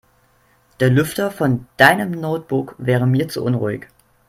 Der Lüfter von deinem Notebook wäre mir zu unruhig.